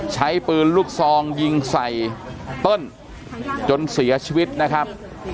ใช้ปืนลูกซองยิงใส่เปิ้ลจนเสียชีวิตนะครับ